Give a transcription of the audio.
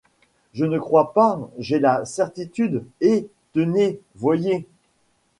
Je ne crois pas, j’ai la certitude, et, tenez, voyez.